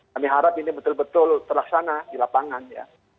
kami harap ini betul betul terlaksana di lapangan ya